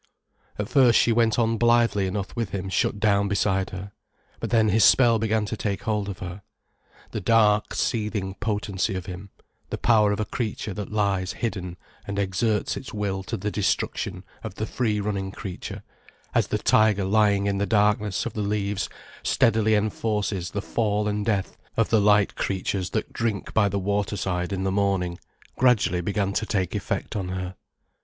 At first she went on blithely enough with him shut down beside her. But then his spell began to take hold of her. The dark, seething potency of him, the power of a creature that lies hidden and exerts its will to the destruction of the free running creature, as the tiger lying in the darkness of the leaves steadily enforces the fall and death of the light creatures that drink by the waterside in the morning, gradually began to take effect on her.